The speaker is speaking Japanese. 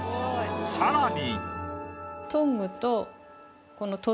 さらに。